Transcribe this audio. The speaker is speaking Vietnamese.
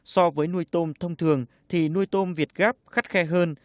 so với nuôi tôm thông thường thì nuôi tôm việt gáp khắt khe hơn